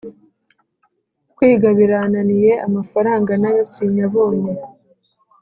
Kwiga birananiye amafaranga nayo sinyabonye